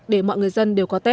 để mọi người dân